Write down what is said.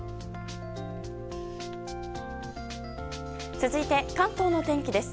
続いて、関東の天気です。